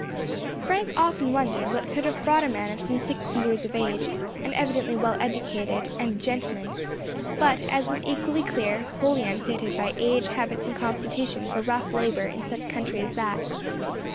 Frank often wondered what could have brought a man of some sixty years of age, and evidently well educated, and a gentleman, but, as was equally clear, wholly unfitted by age, habits, and constitution for rough labour in such a country as that.